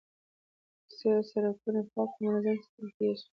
کوڅې او سړکونه پاک او منظم ساتل کیږي.